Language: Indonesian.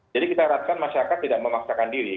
jadi kita harapkan masyarakat tidak memaksakan diri